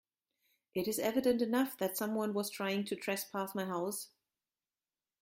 It is evident enough that someone was trying to trespass my house.